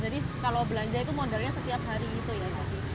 jadi kalau belanja itu modelnya setiap hari gitu ya